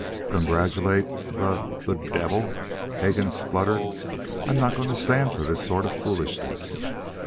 "Congratulate the the devil!" Hegan spluttered. "I'm not going to stand for this sort of foolishness."